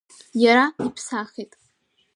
Иара иԥсахит!